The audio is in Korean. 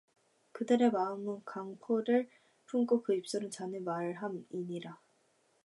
그들의 마음은 강포를 품고 그 입술은 잔해를 말함이니라